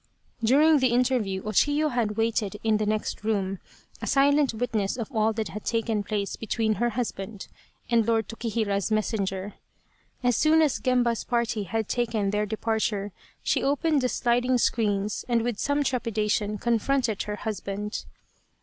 During the interview O Chiyo had waited in the next room, a silent witness of all that had taken place between her husband and Lord Tokihira's messenger. As soon as Gemba's party had taken their departure she opened the sliding screens and with some trepida tion confronted her husband.